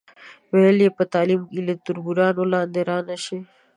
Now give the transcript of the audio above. ویل یې په تعلیم کې له تربورانو لاندې را نشئ.